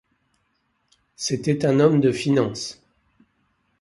C'était un homme de finance.